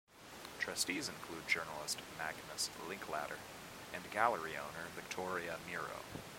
Trustees include journalist Magnus Linklater, and gallery owner Victoria Miro.